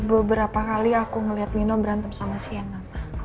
beberapa kali aku ngeliat mino berantem sama sienna